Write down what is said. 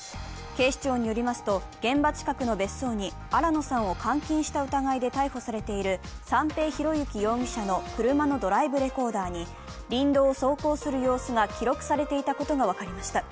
警視庁によりますと、現場近くの別荘に新野さんを監禁した疑いで逮捕されている三瓶博幸容疑者の車のドライブレコーダーに林道を走行する様子が記録されていたことが分かりました。